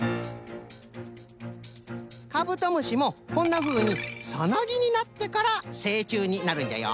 カブトムシもこんなふうにサナギになってからせいちゅうになるんじゃよ。